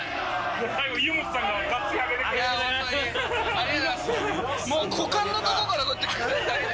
ありがとうございます！